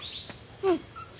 うん。